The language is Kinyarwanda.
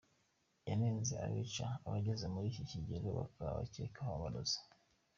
Yanenze abica abageze muri iki kigero babakekaho amarozi.